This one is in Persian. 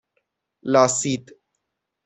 لاسید